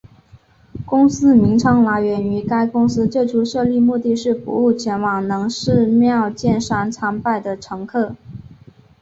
公司名称来源于该公司最初设立目的是服务前往能势妙见山参拜的乘客。